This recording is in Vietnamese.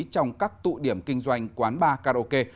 trong các tụ điểm kinh doanh quán bar karaoke